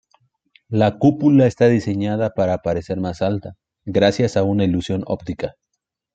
La cúpula está diseñada para parecer más alta, gracias a una ilusión óptica.